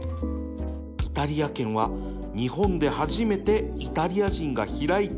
イタリア軒は日本で初めてイタリア人が開いたレストラン